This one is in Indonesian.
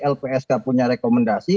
lpsk punya rekomendasi